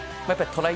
トライ